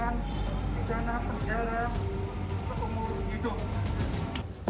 jangan berjalan seumur hidup